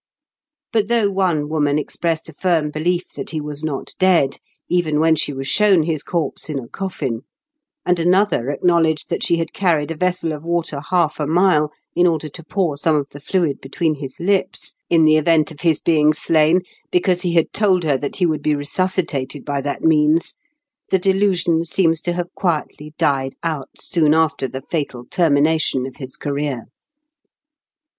But though one woman expressed a firm belief that he was not dead, even when she was shown his corpse in a coflfin, and another acknowledged that she had carried a vessel of water half a mile, in order to pour some of the fluid between his lips, in the event of his being slain, because he had told her that he would be resuscitated by that means, the delusion seems to have quietly died out soon after the fatal termination of his career.